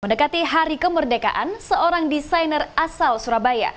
mendekati hari kemerdekaan seorang desainer asal surabaya